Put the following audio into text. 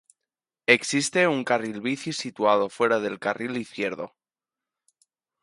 Existe un carril bici situado fuera del carril izquierdo.